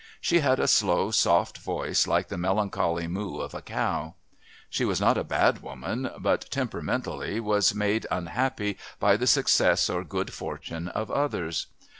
She had a slow soft voice like the melancholy moo of a cow. She was not a bad woman, but, temperamentally, was made unhappy by the success or good fortune of others.